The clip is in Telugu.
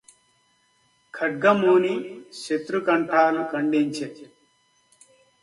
ఖడ్గమూని శతృకంఠాలు ఖండించె